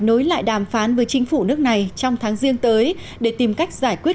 nối lại đàm phán với chính phủ nước này trong tháng riêng tới để tìm cách giải quyết